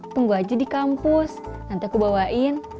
tunggu aja di kampus nanti aku bawain